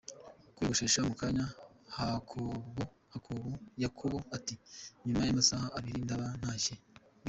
kwiyogoshesha mukanya? Yakobo ati nyuma y'amasaha abiri ndaba ntashye! Bwenge.